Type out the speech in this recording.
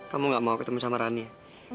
kamu gak mau ketemu sama rani